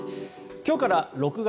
今日から６月。